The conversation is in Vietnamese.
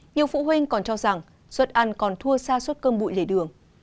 nhiều phụ huynh còn cho rằng suất ăn còn thua xa suất cơm bụi lề đường